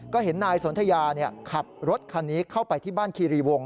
ก็เห็นนายสนทยาขับรถคันนี้เข้าไปที่บ้านคีรีวง